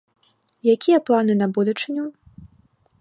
Якія планы на будучыню?